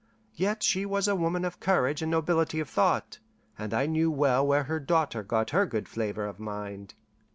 Yet she was a woman of courage and nobility of thought, and I knew well where her daughter got her good flavor of mind.